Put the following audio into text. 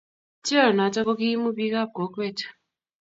Cheonoto ko kiimu bikap kokwet